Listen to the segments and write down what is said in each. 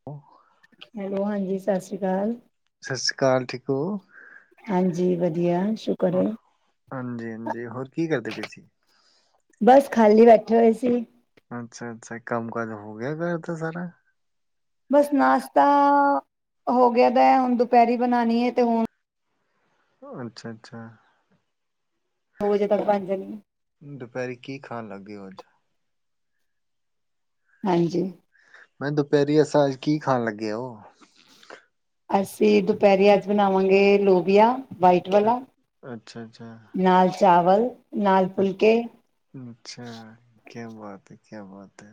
[inaudible] Hello, ਹਾਂਜੀ ਸਤਿ ਸ਼੍ਰੀ ਅਕਾਲ। ਸਾਸੀ ਕਾਲ ਠੀਕ ਹੋ? ਹਾਂਜੀ ਵਧੀਆ ਹੈ [unintelligible] ਹਾਂਜੀ-ਹਾਂਜੀ ਹੋਰ ਕੀ ਕਰਦੇ ਪਏ ਸੀ? ਬਸ ਖਾਲੀ ਬੈਠੇ ਹੋਏ ਸੀ। ਅੱਛਾ-ਅੱਛਾ ਕੰਮ-ਕਾਜ ਹੋ ਗਿਆ ਘਰ ਦਾ ਸਾਰਾ। ਬਸ ਨਾਸ਼ਤਾ ਹੋ ਗਿਆ ਦਾ ਹੁਣ ਦੁਪਹਿਰੀ ਬਣਾਉਣੀ ਹੈ ਤੇ ਹੁਣ ਹੋ ਅੱਛਾ-ਅੱਛਾ। ਹੋਜੇ ਤਾਂ ਪੰਜ ਦਿਨ ਦੁਪਹਿਰੀ ਕੀ ਖਾਣ ਲੱਗ ਗਏ ਹੋ ਅੱਜ? ਹਾਂਜੀ। ਮੈਂ ਦੁਪਹਿਰੀ ਇਸ ਸਾਲ ਕੀ ਖਾਣ ਲੱਗੇ ਓ? ਅਸੀਂ ਦੁਪਹਿਰੀ ਅੱਜ ਬਣਾਵਾਂਗੇ ਲੋਬੀਆ ਵਾਈਟ ਵਾਲਾ, ਅੱਛਾ ਅੱਛਾ ਨਾਲ ਚਾਵਲ, ਨਾਲ ਫੁਲਕੇ ਅੱਛਾ ਕਿਆ ਬਾਤ ਐ ਕਿਆ ਬਾਤ ਐ।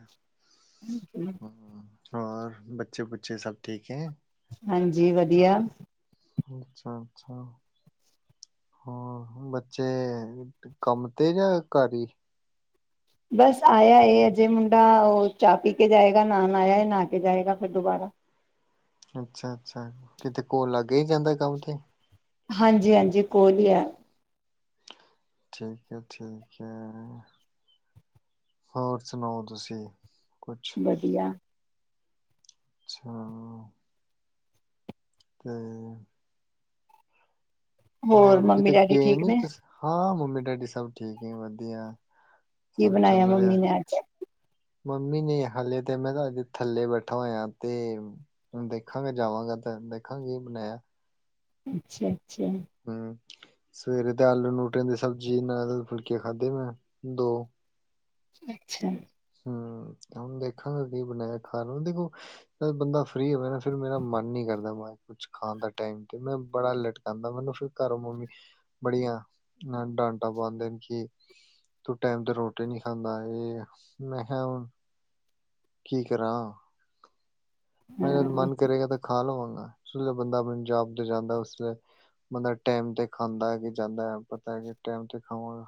[inaudible] ਹੂ ਔਰ ਬੱਚੇ- ਬੁੱਚੇ ਸਭ ਠੀਕ ਐ ਹਾਂਜੀ ਵਧੀਆਂ ਅੱਛਾ -ਅੱਛਾ। ਹਾਂ ਬੱਚੇ ਕੰਮ ਤੇ ਜਾਂ ਘਰ ਈ ਬਸ ਆਇਆ ਐ ਅਜੇ ਮੁੰਡਾ ਉਹ ਚਾਹ ਪੀ ਕੇ ਜਾਏਗਾ ਨਹਾਣ ਆਇਆ ਏ ਨਾਹਾ ਕੇ ਜਾਏਗਾ ਫ਼ਿਰ ਦੁਬਾਰਾ ਅੱਛਾ -ਅੱਛਾ ਕਿਤੇ ਕੋਲ਼ ਲਾਗੇ ਈ ਜਾਂਦਾ ਕੰਮ ਤੇ ਹਾਂਜੀ- ਹਾਂਜੀ ਕੋਲ਼ ਈ ਆ ਠੀਕ ਐ ਠੀਕ ਐ ਹੋਰ ਸੁਣਾਓ ਤੁਸੀਂ ਕੁਛ ਵਧੀਆਂ। ਅੱਛਾ। ਤੇ ਹੋਰ ਮੰਮੀ ਕਿਤੇੇ ਡੈਡੀ ਗਏ ਠੀਕ ਨੀ ਨੇ ਤੁਸੀ। ਹਾਂ, ਮੰਮੀ ਡੈਡੀ ਸਭ ਠੀਕ ਏ ਵਧੀਆਂ। ਕੀ ਸਭ ਬਣਾਇਆ ਚੱਲ ਮੰਮੀ ਰਿਹਾ। ਨੇ ਅੱਜ ਮੰਮੀ ਨੇ ਹਾਲੇ ਤੇ ਮੈ ਤਾਂ ਅਜੇ ਥੱਲੇ ਬੈਠਾ ਹੋਇਆਂ ਤੇ ਹੁਣ ਦੇਖਾਂਗੇ ਜਾਵਾਂਗਾ ਤੇ ਦੇਖਾਂਗੇ ਕੀ ਬਣਾਇਆ। ਅੱਛਾ-ਅੱਛਾ। ਹਮ ਸਵੇਰੇ ਤੇ ਆਲੂ ਨੂਟਿਆਂ ਦੀ ਸਬਜ਼ੀ ਨਾਲ਼ ਫੁਲਕੇ ਖਾਧੇ ਵੇ ਆ ਦੋ। ਅੱਛਾ। ਹਮ ਹੁਣ ਦੇਖਾਂਗਾ ਕੀ ਬਣਾਇਆ ਖਾ ਨੂੰ ਦੇਖੋ ਬੰਦਾ ਫਰੀ ਹੋਵੇ ਫ਼ਿਰ ਮੇਰਾ ਮਨ ਨੀ ਕਰਦਾ ਬਾਰ। ਕੁਛ ਖਾਣ ਦਾ ਤੇ ਮੈ ਬੜਾ ਲਟਕਾਦਾ ਮੈਨੂੰ ਫਿਰ ਘਰੋਂ ਮੰਮੀ ਬੜੀਆਂ ਡਾਂਟਾ ਪਾਦੇ ਨੇ ਕਿ ਤੂੰ ਟੈਮ ਤੇ ਰੋਟੀ ਨੀ ਖਾਂਦਾ ਇਹ ਮੈਂ ਕਿਹਾ ਹੁਣ ਕੀ ਕਰਾਂ। ਜਦ ਹਾਂ ਮਨ ਕਰੇਗਾ ਤਾਂ ਖਾ ਲਵਾਂਗਾ ਜਲੇ ਬੰਦਾ ਪੰਜਾਬ ਤੋਂ ਜਾਂਦਾ ਉਸਲੇ ਬੰਦਾ ਟੈਮ ਤੇ ਖਾਂਦਾ ਏ ਕਿ ਜਾਂਦਾ ਹੈ ਪਤਾ ਕਿ ਟੈਮ ਤੇ ਖਾਵਾਂਗਾ।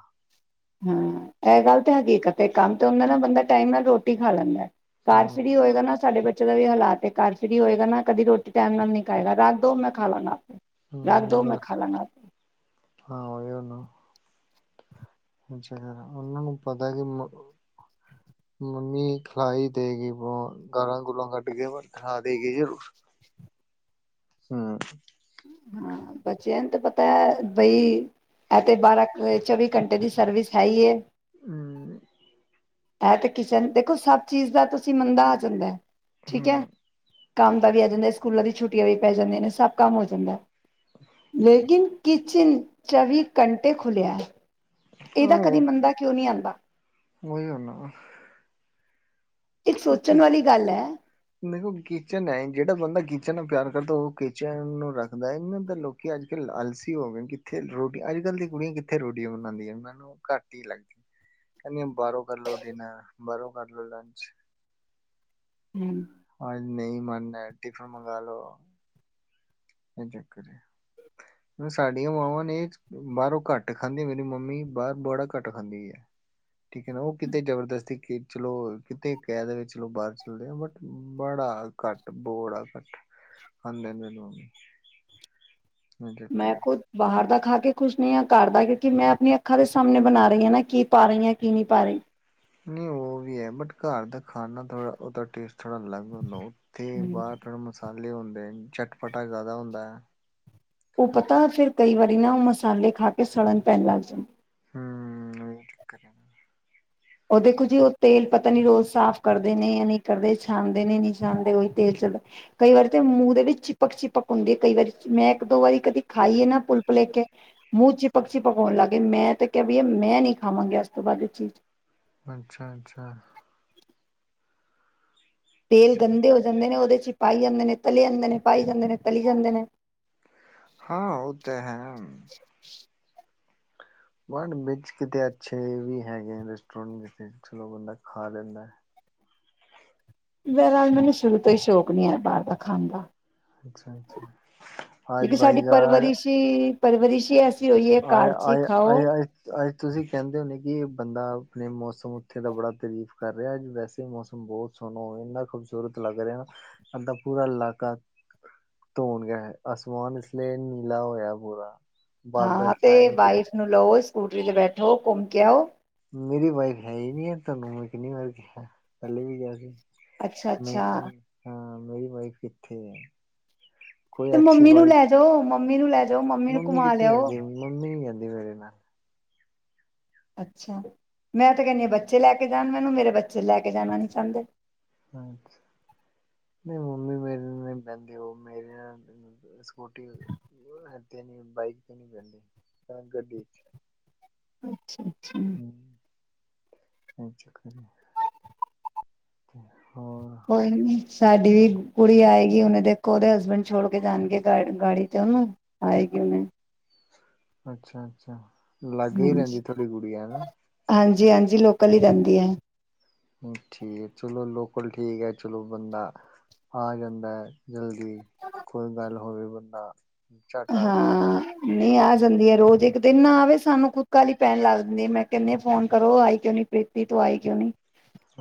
ਹਾਂ, ਇਹ ਗੱਲ ਤਾਂ ਹੈਗੀ ਇੱਕ ਤੇ ਕੰਮ ਤੇ ਹੁੰਦਾ ਨਾ ਬੰਦਾ ਟਾਈਮ ਨਾਲ਼ ਰੋਟੀ ਖਾ ਲੈਦਾ। ਪਰਸ ਵੀ ਹੂੰ ਹੋਏਗਾ ਨਾ ਸਾਡੇ ਬ ਦਾ ਵੀ ਹਾਲਾਤ ਹੈ ਘਰ ਫਿਰ ਹੋਏਗਾ ਨਾ ਕਦੀ ਰੋਟੀ ਟਾਈਮ ਨਾਲ ਨੀ ਖਾਗਾ ਰੱਖ ਦੋ ਮੈਂ ਖਾ ਲਗਾ ਆਪੇ। ਰੱਖ ਦੋ ਮੈਂ ਹੂੰ ਖਾਲਾਗਾ। ਹਾਂ ਓਹੀ ਨਾ। ਉਹਨਾਂ ਨੂੰ ਪਤਾ ਕਿ ਮ ਮੰਮੀ ਖਿਲਾਈ ਦੇਗੀ ਬ ਗਾਲਾਂ-ਗੁਲਾਂ ਕੱਢ ਕੇ ਪਰ ਖਿਲਾ ਦੇਗੀ ਜ਼ਰੂਰ। [inaudible] ਹਮ। ਹਾਂ, ਬੱਚਿਆਂ ਨੂੰ ਤਾਂ ਪਤਾ ਬਈ ਐ ਤੇ ਬਾਰਾਂ ਚੌਵੀ ਘੰਟੇ ਦੀ ਸਰਵਿਸ ਹੈਈ ਏ। [unintelligible] ਇਹ ਤਾਂ ਕਿਸਨ ਦੇਖੋ, ਸਭ ਚੀਜ਼ ਦਾ ਤੁਸੀਂ ਮੰਦਾ ਆ ਜਾਂਦਾ ਠੀਕ ਏ। ਹੂੰ ਕੰਮ ਦਾ ਵੀ ਆ ਜਾਂਦਾ, ਸਕੂਲਾਂ ਦੀ ਛੁੱਟੀਆਂ ਵੀ ਪੈ ਜਾਂਦੀਆਂ ਨੇ। ਸਭ ਕੰਮ ਹੋ ਜਾਂਦਾ ਲੇਕਿਨ ਕਿਚਨ ਚੋਵੀ ਘੰਟੇ ਖੁੱਲਿਆਂ ਐ ਇਹਦਾ ਕਦੀ ਮੰਦਾ ਕਿਉਂ ਨਹੀਂ ਆਂਦਾ। ਓਹੀ ਨਾ। ਇੱਕ ਸੋਚਣ ਵਾਲੀ ਗੱਲ ਐ। ਦੇਖੋ, ਕਿਚਨ ਐ ਜਿਹੜਾ ਬੰਦਾ ਕਿਚਨ ਨਾਲ਼ ਪਿਆਰ ਕਰਦਾ ਉਹ ਕਿਚਨ ਨੂੰ ਰੱਖਦਾ ਇਹਨਾਂ ਦਾ ਲੋਕ ਕੀ ਅੱਜ-ਕੱਲ੍ਹ ਆਲਸੀ ਹੋ ਗਏ ਕਿੱਥੇ ਰੋਟੀ ਅੱਜ-ਕੱਲ੍ਹ ਦੀ ਕੁੜੀਆਂ ਕਿੱਥੇ ਰੋਟੀਆਂ ਬਣਾਂਦੀਆਂ ਨੇ। ਉਹਨਾਂ ਨੂੰ ਘੱਟ ਹੀ ਲੱਗਦੀ ਕਹਿੰਦੀ ਬਾਹਰੋਂ ਕਰ ਲਓ ਡਿਨਰ ਬਾਹਰੋਂ ਕਰਲੋ ਲੰਚ। ਹਮ। ਹਾਂ, ਨਹੀਂ ਮੰਨ ਏ ਟਿਫਿਨ ਮੰਗ ਲੋ। ਇਹ ਚੱਕਰ ਏ। ਹੁਣ ਸਾਡੀਆਂ ਮਾਵਾਂ ਨੇ ਬਾਹਰੋਂ ਘੱਟ ਖਾਂਦੀ। ਮੇਰੀ ਮੰਮੀ ਬਾਹਰ ਬੜਾ ਘੱਟ ਖਾਂਦੀ। ਠੀਕ ਐ ਨਾ। ਉਹ ਕਿਤੇ ਜ਼ਬਰਦਸਤੀ ਕਿ ਚਲੋ ਕਿਤੇ ਕਹਿ ਦੇਵੇ ਚਲੋ ਬਾਹਰ ਚੱਲਦੇ ਆ ਬਟ ਬੜਾ ਘੱਟ ਬੜਾ, ਘੱਟ ਖਾਂਦੇ ਨੇ ਮੇਰੀ ਮੰਮੀ। ਮੈਂ ਖੁਦ ਬਾਹਰ ਦਾ ਖਾ ਕੇ ਖੁਸ਼ ਨਹੀਂ ਆ ਘਰ ਦਾ, ਕਿਉਕਿ ਮੈਂ ਆਪਣੀ ਅੱਖਾਂ ਦੇ ਸਾਹਮਣੇ ਬਣਾ ਰਹੀ ਹਾਂ। ਨਾ ਕੀ ਪਾ ਰਹੀ ਹਾਂ ਕੀ ਨਹੀਂ ਪਾ ਰਹੀ। ਨਹੀ ਉਹ ਵੀ ਹੈ ਬਟ ਘਰ ਖਾਣਾ ਥੋੜ੍ਹਾ ਉਹਦਾ ਟੇਸਟ ਥੋੜਾ ਅਲੱਗ ਹੁੰਦਾ, ਉੱਥੇ ਹਮ। ਬਾਹਰ ਥੋੜਾ ਮਸਾ ਸਾਲੇ ਹੁੰਦੇ ਨੇ ਚਟਪਟਾ ਜ਼ਿਆਦਾ ਹੁੰਦਾ। ਉਹ ਪਤਾ ਫਿਰ ਕਈ ਵਾਰੀ ਨਾ ਉਹ ਮਸਾਲੇ ਖਾ ਕੇ ਸੜਨ ਪੈਣ ਲੱਗ ਜਾਂਣ ਹਮ ਉਹ [unintelligible] ਦਿੱਕਤ ਹੈ। ਉਹ ਦੇਖੋ ਜੀ ਉਹ ਤੇਲ ਪਤਾ ਨੀ ਰੋਜ਼ ਸਾਫ਼ ਕਰਦੇ ਨੇ, ਜਾਂ ਨਹੀਂ ਕਰਦੇ ਛਾਨ ਦੇ ਨੇ ਨਹੀਂ ਛਾਨਦੇ ਉਹੀ ਤੇਲ ਚੱਲਦਾ ਕਈ ਵਾਰੀ ਤੇ ਮੂੰਹ ਦੇ ਵਿੱਚ ਚਿਪਕ-ਚਿਪਕ ਹੁੰਦੀ ਹੈ। ਕਈ ਵਾਰੀ ਮੈਂ ਇੱਕ ਦੋ ਵਾਰੀ ਕਦੀ ਖਾਈਏ ਨਾ ਪੁਲ-ਪੁਲੇਖੇ ਮੂੰਹ ਚਿਪਕ-ਚਿਪਕ ਹੋਣ ਲੱਗ ਗਏ। ਮੈਂ ਤਾਂ ਕਿਹਾ ਵੀ ਮੈਂ ਨੀ ਖਾਵਾਂਗੀ ਅੱਜ ਤੋਂ ਬਾਅਦ ਇਹ ਚੀਜ਼। ਅੱਛਾ-ਅੱਛਾ। ਤੇਲ ਸਹੀ ਗੰਦੇ ਹੋ ਜਾਂਦੇ ਨੇ ਉਹਦੇ ਚ ਹੀ ਪਾਈ ਜਾਂਦੇ ਨੇ ਤਲੇ ਜਾਂਦੇ ਨੇ ਪਾਈ ਜਾਂਦੇ ਨੇ ਤਲੀ ਜਾਂਦੇ ਨੇ ਹਾਂ, ਉਹ ਤਾਂ ਹੈ। [inaudible] [unintelligible] ਵਿੱਚ ਅੱਛੇ ਵੀ ਹੈਗੇ ਆ ਰੈਸਟੋਰੈਂਟ ਜਿੱਥੇ ਚਲੋ ਬੰਦਾ ਖਾ ਲੈਂਦਾ। [unintelligible] ਮੈਨੂੰ ਸ਼ੁਰੂ ਤੋਂ ਹੀ ਸ਼ੌਕ ਨੀ ਹੈਗਾ ਬਾਹਰ ਦਾ ਖਾਣ ਦਾ। ਅੱਛਾ-ਅੱਛਾ, ਹਜ ਬਾਈਗੌੜ। ਈ ਪਰਵਰਿਸ਼ ਐਸੀ ਹੋਈ ਹੈ ਘਰ ਚ ਹੀ ਆਇਆ-ਆਇਆ ਖਾਓ ਆਇਆ ਏ। ਅੱਜ ਤੁਸੀਂ ਕਹਿੰਦੇ ਹੋਣੇ ਕਿ ਬੰਦਾ ਆਪਣੇ ਮੌਸਮ ਉੱਥੇ ਦਾ ਬੜਾ ਤਾਰੀਫ ਕਰ ਰਿਹਾ ਅੱਜ ਵੈਸੇ ਮੌਸਮ ਬਹੁਤ ਸੁਣੋ ਇੰਨਾ ਖੂਬਸੂਰਤ ਲੱਗ ਰਿਹਾ ਨਾ। ਸਾਡਾ ਪੂਰਾ ਇਲਾਕਾ ਧੋਣ ਗਿਆ। ਅਸਮਾਨ ਇਸ ਲਈ ਨੀਲਾ ਹੋਇਆ ਪੂਰਾ। ਬਾਦਲ ਹਾਂ ਤੇ ਛਾਏ ਨੇ ਵਾਈਫ ਚਿੱਟੇ ਨੂੰ ਲਓ, ਸਕੂਟਰੀ ਤੇ ਬੈਠੋ ਘੁੰਮ ਕੇ ਆਓ। ਮੇਰੀ ਵਾਈਫ ਹੈ ਹੀ ਨੀ ਹੈ। ਤੁਹਾਨੂੰ ਮੈਂ ਕਿੰਨੀ ਵਾਰ ਕਿਹਾ ਪਹਿਲੇ ਵੀ ਕਿਹਾ ਸੀ। ਅੱਛਾ ਮੈਂ ਅੱਛਾ ਹਾਂ ਮੇਰੀ ਵਾਈਫ ਕਿੱਥੇ ਆ। ਤੇ ਮੰਮੀ ਨੂੰ ਲੈ ਜਾਓ, ਮੰਮੀ ਨੂੰ ਲੈ ਜਾਓ ਮੰਮੀ ਨੂੰ ਘੁਮਾ ਕਿੱਥੇ ਲਿਆਓ। ਜਾਂਦੀ ਮੰਮੀ ਨੀ ਜਾਂਦੀ ਮੇਰੇ ਨਾਲ ਅੱਛਾ, ਮੈਂ ਤਾਂ ਕਹਿੰਨੀ ਹਾਂ ਬੱਚੇ ਲੈ ਕੇ ਜਾਣ ਮੈਨੂੰ ਮੇਰੇ ਬੱਚੇ ਲੈ ਕੇ ਨੀਂ ਜਾਣਾ ਚਾਹੁੰਦੇ। ਅੱਛਾ, ਨਹੀਂ ਮੰਮੀ ਮੇਰੇ ਨਾਲ ਨਹੀਂ ਬਹਿੰਦੀ ਉਹ ਮੇਰੀ ਨਾਲ ਸਕੂਟੀ ਤੇ ਨੀ ਬਾਈਕ ਤੇ ਨੀ ਬਹਿੰਦੀ ਨਾ ਗੱਡੀ 'ਚ'। ਅੱਛਾ-ਅੱਛਾ। ਹਮ, ਇਹ ਚੱਕਰ ਏ। ਹੋਰ। ਕੋਈ ਨ ਸਾਡੀ ਵੀ ਕੁੜੀ ਆਏਗੀ ਉਹਨੇ ਦੇਖੋ ਉਹਦੇ ਹਸਬੈਂਡ ਛੋੜ ਕੇ ਜਾਣਗੇ ਗ ਗਾੜੀ ਤੇ ਉਹਨੂੰ ਆਏ ਕਿਉਨੇ। ਅੱਛਾ-ਅੱਛਾ ਲਾਗੇ ਹੀ ਰਹਿੰਦੀ ਤੁਹਾਡੀ ਗੁੜੀ ਆ ਨਾ। ਹਾਂਜੀ-ਹਾਂਜੀ ਲੋਕਲ ਹੀ ਰਹਿੰਦੀ ਹੈ। ਉੱਥੇ ਚਲੋ ਲੋਕਲ ਠੀਕ ਹੈ। ਚਲੋ ਬੰਦਾ ਆ ਜਾਂਦਾ ਜਲਦੀ ਦੀ ਕੋਈ ਗੱਲ ਹੋਵੇ ਬੰਦਾ ਝਟ ਆ ਜਾਂਦਾ ਹੈ। ਹਾਂ ਨਹੀਂ ਆ ਹਮ, ਜਾਂਦੀ ਹੈ ਰੋਜ਼ ਜੇ ਨਾ ਆਵੇ ਸਾਨੂੰ ਖੁਦ ਕਾਹਲੀ ਪੈਣ ਲੱਗਦੀ ਮੈਂ ਕਹਿੰਨੀ ਆ ਫੋਨ ਕਰੋ। ਆਈ ਕਿਉਂ ਨੀ ਪ੍ਰੀਤੀ ਤੋਂ ਆਈ ਕਿਉਂ ਨੀ।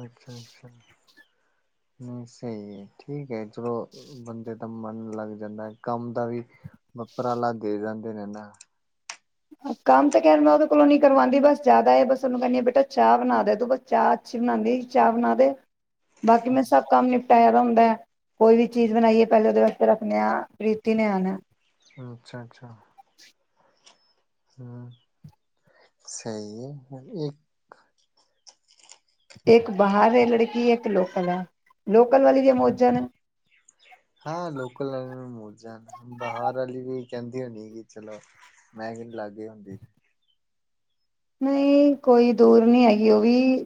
ਅੱਛਾ-ਅੱਛਾ ਨਹੀਂ ਸਹੀ ਹੈ ਠੀਕ ਹੈ ਚਲੋ। ਬੰਦੇ ਦਾ ਮਨ ਲੱਗ ਜਾਂਦਾ ਹੈ। ਕੰਮ ਦਾ ਵੀ ਉਪਰਾਲਾ ਦੇ ਜਾਂਦੇ ਨੇ ਨਾ। ਕੰਮ ਤਾਂ ਉਹਦੇ ਕੋਲੋਂ ਨੀ ਕਰਵਾਉਦੀ ਬਸ ਜ਼ਿਆਦਾ ਏ ਬਸ ਉਹਨੂੰ ਕਹਿੰਦੀ ਬੇਟਾ ਚਾਹ ਬਣਾ ਦੇ ਤੇ ਬਸ ਚਾਹ ਅੱਛੀ ਬਣਾਉਂਦੀ ਚਾਹ ਬਣਾ ਦੇ। ਬਾਕੀ ਮੈਂ ਸਭ ਕੰਮ ਨਿਪਟਾਇਆ ਵਾ ਹੁੰਦਾ ਹੈ ਕੋਈ ਵੀ ਚੀਜ ਬਣਾਈਏ ਪਹਿਲੇ ਉਹਦੇ ਵਾਸਤੇ ਰੱਖਦੇ ਆ ਪ੍ਰੀਤੀ ਨੇ ਆਣਾ। ਉਹ ਅੱਛਾ-ਅੱਛਾ। ਸੋ, ਸਹੀ ਏ ਹੁਣ ਇਹ। ਇੱਕ ਬਾਹਰ ਏ ਲੜਕੀ, ਇੱਕ ਲੋਕਲ ਆ। ਲੋਕਲ ਵਾਲੀ ਜੇ ਮੌਜਾਂ ਨੇ। ਹਾਂ ਲੋਕਲ ਨੂੰ ਵੀ ਮੌਜੂਦ ਨੇ, ਬਾਹਰ ਵਾਲੀ ਵੀ ਕਹਿੰਦੀ ਹੋਣੀ ਕਿ ਚਲੋ। ਮਹਿੰਗੀ ਨੀ ਲੱਗ ਜਾਂਦੀ। ਨਹੀਂ ਕੋਈ ਦੂਰ ਨਹੀਂ ਹੈਗੀ ਉਹ ਵੀ,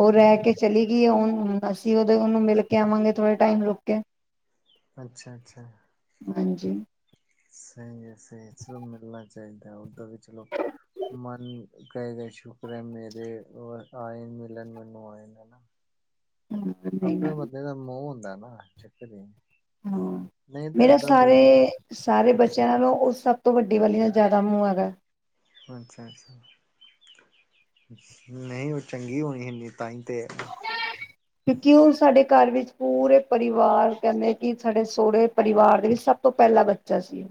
ਉਹ ਰਹਿ ਹਮ, ਕੇ ਚਲੀ ਗਈ ਏ, ਬਸ ਅਸੀ ਉਹੋ ਉਹਨੂੰ ਮਿਲ ਆਵਾਂਗੇ ਥੋੜੇ ਟਾਈਮ ਰੁਕ ਕੇ। ਅੱਛਾ-ਅੱਛਾ। ਹਾਂਜੀ। ਸਹੀ ਆ ਸਹੀ ਚਲੋ ਮਿਲਣਾ ਚਾਹੀਦਾ ਉੱਦਾਂ ਵੀ ਚਲੋ ਮਨ ਕਹੇਗਾਏ ਸ਼ੁਕਰ ਏ ਮੇਰੇ ਆਏ ਮਿਲਣ ਮੈਨੂੰ ਆਏ ਹਨਾ। ਹਮ। ਆਪਣੇ ਬੰਦੇ ਦਾ ਮੋਹ ਹੁੰਦਾ ਨਾ, ਚੱਕਰ ਹੀ ਨੀ। ਹਾਂ ਮੇਰਾ ਸਾਰੇ ਸਾਰੇ ਬੱਚਿਆਂ ਨਾਲੋਂ ਉਹ ਸਭ ਤੋਂ ਵੱਡੀ ਵਾਲੀ ਨਾਲ ਜ਼ਿਆਦਾ ਮੋਹ ਹੈਗਾ। ਅੱਛਾ-ਅੱਛਾ। ਨਹੀ ਉਹ ਚੰਗੀ ਹੋਣੀ ਇਨੀ ਤਾਹੀ ਤੇ ਕਿਉਕਿ ਉਹ ਸਾਡੇ ਘਰ ਵਿੱਚ ਪੂਰੇ ਪਰਿਵਾਰ ਕਹਿੰਦੇ ਕਿ ਸਾਡੇ ਸੋਹੁਰੇ ਪਰਿਵਾਰ ਦੇ ਵਿੱਚ ਸਭ ਸਭ ਤੋਂ ਪਹਿਲਾ ਬੱਚਾ ਸੀ।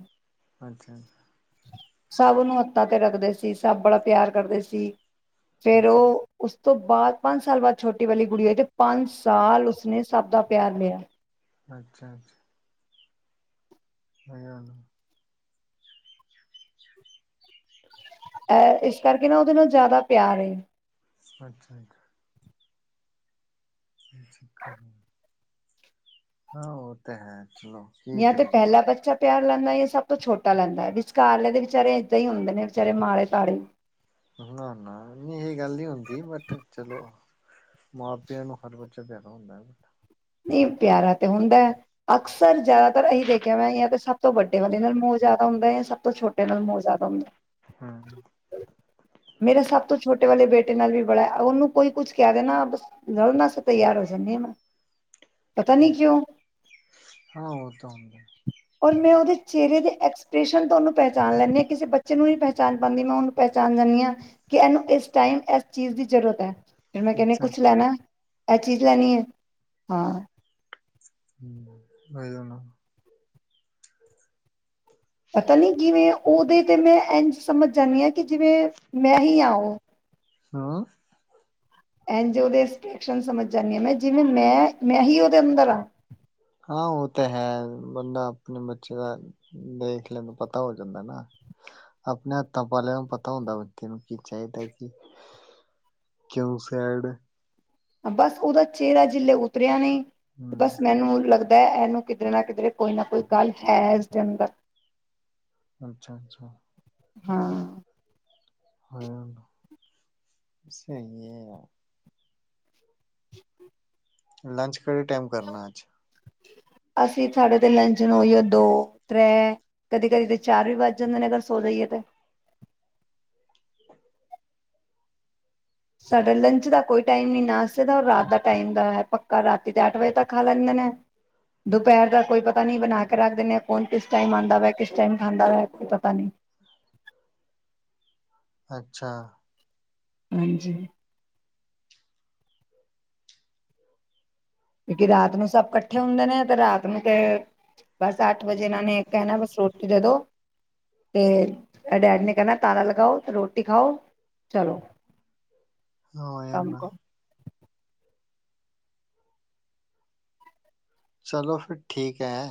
ਅੱਛਾ। ਸਭ ਉਹਨੂੰ ਹੱਥਾਂ ਤੇ ਰੱਖਦੇ ਸੀ। ਸਭ ਬੜਾ ਪਿਆਰ ਕਰਦੇ ਸੀ ਫਿਰ ਅੱਛਾ ਉਹ ਉਸ ਤੋਂ ਬਾਅਦ ਪੰਜ ਸਾਲ ਬਾਅਦ ਛੋਟੀ ਵਾਲੀ ਗੁਡੀਆ ਹੋਈ ਤੇ ਪੰਜ ਸਾਲ ਉਸਨੇ ਸਭ ਦਾ ਪਿਆਰ ਲਿਆ। ਅੱਛਾ-ਅੱਛਾ। ਸਹੀ ਆ ਨਾ। [inaudible] ਐ ਇਸ ਕਰਕੇ ਨਾ ਉਹਦੇ ਨਾਲ ਜ਼ਿਆਦਾ ਪਿਆਰ ਏ। ਅੱਛਾ-ਅੱਛਾ। [unintelligible] ਹਾਂ ਉਹ ਤਾਂ ਹੈ। ਚਲੋ ਕੀ ਜਾਂ ਤੇ ਕਰੀਏ ਪਹਿਲਾ ਬੱਚਾ ਪਿਆਰ ਲੈਦਾ ਏ। ਸਭ ਤੋਂ ਛੋਟਾ ਲੈਦਾ ਏ, ਵਿਚਕਾਰ ਲੈਦੇ ਵਿਚਾਰੇ ਏਦਾਂ ਹੀ ਹੁੰਦੇ ਨੇ ਵਿਚਾਰੇ ਮਾੜੇ ਤਾੜੇ। ਨਾ ਨਾ ਨਹੀਂ ਇਹ ਗੱਲ ਨੀ ਹੁੰਦੀ ਬਟ ਚਲੋ। ਮਾਂ-ਪਿਓ ਨੂੰ ਹਰ ਬੱਚਾ ਪੈਦਾ ਹੁੰਦਾ ਏ। ਨਹੀਂ ਪਿਆਰਾ ਤੇ ਹੁੰਦਾ। ਅਕਸਰ ਜ਼ਿਆਦਾਤਰ ਅਸੀ ਦੇਖਿਆ ਮੈਂ ਜਾਂ ਤੇ ਸਭ ਤੋਂ ਵੱਡੇ ਵਾਲੇ ਨਾਲ ਮੋਹ ਜ਼ਿਆਦਾ ਹੁੰਦਾ ਸਭ ਤੋਂ ਛੋਟੇ ਛੋਟੇ ਨਾਲ ਮੋਹ ਜਿਆਦਾ ਹੁੰਦਾ। ਹਮ। [inaudible] ਮੇਰਾ ਸਭ ਤੋਂ ਛੋਟੇ ਵਾਲੇ ਬੇਟੇ ਨਾਲ ਵੀ ਬੜਾ ਉਹਨੂੰ ਕੋਈ ਕੁਛ ਕਹਿ ਦੇਣਾ ਬਸ ਲੜਨਾ ਸ ਤਿਆਰ ਹੋ ਜਾਂਦਾ ਮੈਂ। ਪਤਾ ਨੀ ਹਾਂ ਕਿਉਂ ਹਾਂ ਉਹ ਤੇ ਹੁੰਦਾ। ਔਰ ਮੈਂ ਉਹਦੇ ਚਿਹਰੇ ਦੇ ਐਕਸਪ੍ਰੈਸ਼ਨ ਤੋਂ ਉਹਨੂੰ ਪਹਿਚਾਣ ਲੈਂਦੀ ਹਾਂ ਕਿਸੇ ਬੱਚੇ ਨੂੰ ਨਹੀਂ ਪਹਿਚਾਣ ਪਾਉਦੀ। ਮੈਂ ਉਹਨੂੰ ਪਹਿਚਾਣ ਜਾਂਦੀ ਹਾਂ ਕਿ ਇਹਨੂੰ ਇਸ ਟਾਈਮ ਇਸ ਚੀਜ ਦੀ ਜ਼ਰੂਰਤ ਐ। ਫਿਰ ਮੈਂ ਕਹਿਣੀ ਅੱਛਾ ਕੁਛ ਲੈਣਾ, ਐ ਚੀਜ਼ ਲੈਣੀ ਹੈ, ਹਾਂ। ਹੂੰ ਹੋ ਜਾਨਾ। ਪਤਾ ਨਹੀਂ ਕਿਵੇਂ, ਉਹਦੇ ਤੇ ਮੈਂ ਇੰਝ ਸਮਝ ਜਾਂਣੀ ਹਾ। ਕਿ ਜਿਵੇਂ ਮੈਂ ਹੀ ਆ ਉਹ ਹਾਂ। ਇਝ ਉਹਦੇ ਸਟੇਟਸ ਸਮਝ ਜਾਂਦੀ ਹਾਂ, ਜਿਵੇਂ ਮੈਂ ਮੈਂ ਹੀ ਉਹਦੇ ਅੰਦਰ ਹਾਂ। ਹਾਂ ਉਹ ਤਾਂ ਹੈ ਬੰਦਾ ਆਪਣੇ ਬੱਚੇ ਦਾ ਦੇਖ ਲਵੇ ਪਤਾ ਹੋ ਜਾਂਦਾ ਨਾ। ਆਪਣੇ ਹੱਥਾਂ ਪਾਲਿਆ ਨੂੰ ਪਤਾ ਹੁੰਦਾ ਬੱਚੇ ਨੂੰ ਕੀ ਚਾਹੀਦਾ ਕਿ ਕਿਉ ਸੈਡ ਬਸ ਉਹਦਾ ਚਿਹਰਾ ਜੇ ਉਤਰਿਆ ਨਹੀਂ ਹਮ ਬਸ ਮੈਨੂੰ ਲੱਗਦਾ। ਇਹਨੂੰ ਕਿਧਰੇ ਨਾ ਕਿਧਰੇ ਕੋਈ ਨਾ ਕੋਈ ਗੱਲ ਹੈ। ਇਸ ਦੇ ਅੰਦਰ ਅੱਛਾ- ਅੱਛਾ ਹਾਂ। ਹਾਂ ਸਹੀ ਹੈਗਾ। ਲੰਚ ਕਿਹੜੇ ਟਾਈਮ ਕਰਨਾ ਅੱਜ। ਅਸੀਂ ਸਾਡੇ ਤੇ ਲੰਚ ਨੂੰ ਓਹੀਏ ਦੋ ਤ੍ਰੈ ਕਦੀ ਕਦੀ ਤੇ ਚਾਰ ਵੀ ਵੱਜ ਜਾਂਦੇ ਨੇ ਅਗਰ ਸੋ ਜਾਈਏ ਤਾਂ। [inaudible] ਸਾਡਾ ਲੰਚ ਦਾ ਕੋਈ ਟਾਈਮ ਨੀ। ਨਾਸਤੇ ਦਾ ਔਰ ਰਾਤ ਦਾ ਟਾਈਮ ਦਾ ਪੱਕਾ ਰਾਤੀ ਤੇ ਅੱਠ ਵਜੇ ਤੱਕ ਖਾ ਲੈਂਦੇ ਨੇ। ਦੁਪਹਿਰ ਦਾ ਕੋਈ ਪਤਾ ਨੀ ਬਣਾ ਕੇ ਰੱਖ ਦਿੰਨਦੇ। ਕੌਣ ਕਿਸ ਟਾਈਮ ਆਂਦਾ ਵਾ ਕਿਸ ਟਾਈਮ ਖਾਂਦਾ ਵਾ ਕੋਈ ਪਤਾ ਨਹੀ। [inaudible] ਅੱਛਾ। ਹਾਂਜੀ। ਕਿਉਂਕਿ ਰਾਤ ਨੂੰ ਸਭ ਇਕੱਠੇ ਹੁੰਦੇ ਨੇ ਤੇ ਰਾਤ ਨੂੰ ਤੇ ਬਸ ਅੱਠ ਵਜੇ ਇਹਨਾਂ ਨੇ ਕਹਿਣਾ ਬਸ ਰੋਟੀ ਦੇ ਦੋ। ਤੇ ਇਹਦੇ ਡੈਡੀ ਨੇ ਕਹਿਣਾ ਤਾਲਾ ਲਗਾਓ ਤੇ ਰੋਟੀ ਖਾਓ ਚਲੋ। ਹਾਂ ਆਇਆ ਕੰਮ ਮੈਂ। ਕਰੋ ਚਲੋ ਫਿਰ ਠੀਕ ਐ।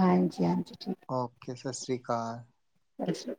ਹਾਂਜੀ ਹਾਂਜੀ ਠੀਕ ਓਕ ਸਸਰੀਕਾਲ। ਅੱਛਾ।